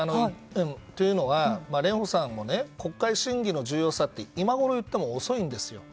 というのは蓮舫さんも国会審議の重要さって今ごろ言っても遅いんですよ。